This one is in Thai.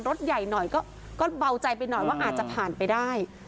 รถใหญ่หน่อยก็เบาใจไปหน่อยว่าอาจจะผ่านไปได้